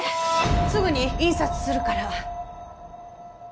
すぐに印刷するから。